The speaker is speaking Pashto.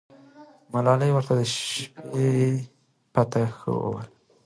ملالۍ ورته د شپې پته ښووله.